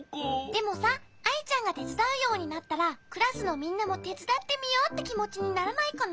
でもさアイちゃんがてつだうようになったらクラスのみんなもてつだってみようってきもちにならないかな？